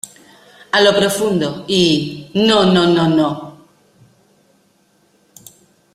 A lo profundo..."" y ""¡no... nono, nono...!